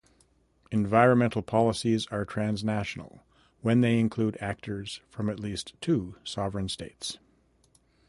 Environmental policies are transnational when they include actors from at least two sovereign states.